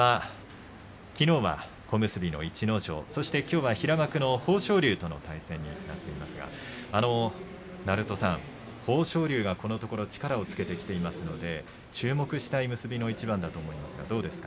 序盤はきのうは小結の逸ノ城そしてきょうは平幕の豊昇龍との対戦になってきますが豊昇龍はこのところ力をつけてきていますので注目したい結びの一番だと思うんですが、どうですか。